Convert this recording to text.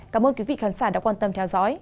cảm ơn quý vị khán giả đã quan tâm theo dõi